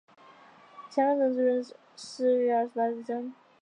乾隆壬子闰四月二十八日生。